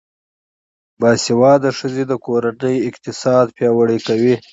باسواده ښځې د کورنۍ اقتصاد پیاوړی کوي.